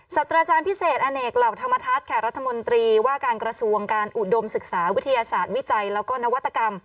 สัตว์อาจารย์พิเศษอเนกเหล่าธรรมทัศน์ค่ะรัฐมนตรีว่าการกระทรวงการอุดมศึกษาวิทยาศาสตร์วิจัยแล้วก็นวัตกรรม